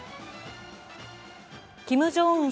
キム・ジョンウン